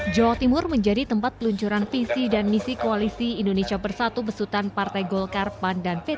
jawa timur menjadi tempat peluncuran visi dan misi koalisi indonesia bersatu besutan partai golkar pan dan p tiga